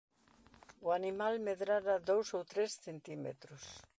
O animal medrara dous ou tres centímetros.